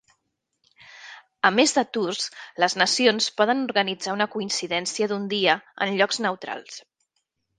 A més de Tours, les Nacions poden organitzar una coincidència d'un dia en llocs neutrals.